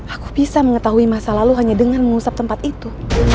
aku bisa mengetahui masa lalu hanya dengan mengusap tempat itu